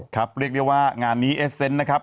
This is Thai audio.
เรียกได้ว่างานนี้เอสเซนต์นะครับ